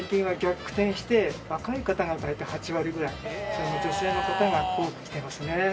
それも女性の方が多く来てますね。